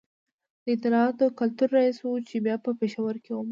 د اطلاعاتو کلتور رئیس و چي بیا په پېښور کي ومړ